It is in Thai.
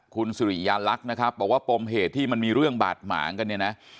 คุณสุริยาลักษณ์นะครับบอกว่าปมเหตุที่มันมีเรื่องบาดหมางกันเนี่ยนะ